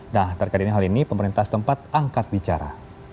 nah terkadang hal ini pemerintah tempat angkat bicara